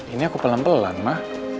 ini aku pelan pelan mah